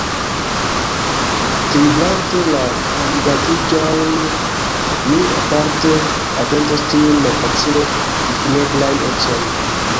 Kribrante la kandidatiĝojn, mi aparte atentos tiujn malfacile difineblajn ecojn.